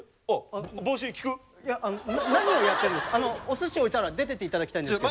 おすし置いたら出てって頂きたいんですけど。